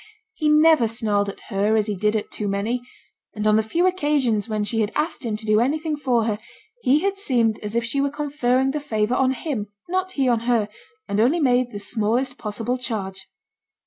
He never snarled at her as he did at too many; and on the few occasions when she had asked him to do anything for her, he had seemed as if she were conferring the favour on him, not he on her, and only made the smallest possible charge.